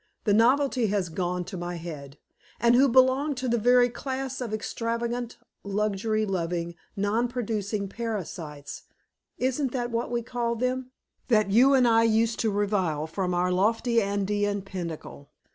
The novelty has gone to my head), and who belong to the very class of extravagant, luxury loving, non producing parasites (isn't that what we called them?) that you and I used to revile from our lofty Andean pinnacle.